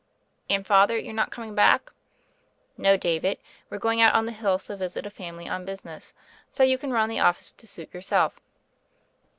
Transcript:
"And, Father, you're not coming back?" "No, David: we're going out on the hills to visit a family on business; so you can run the office to suit yourself."